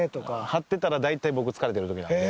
張ってたら大体僕疲れてる時なんで。